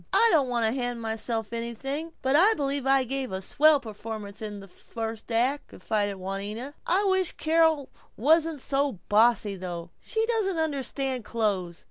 "I don't want to hand myself anything but I believe I'll give a swell performance in this first act," confided Juanita. "I wish Carol wasn't so bossy though. She doesn't understand clothes.